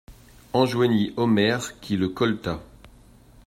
Enjoignit Omer, qui le colleta.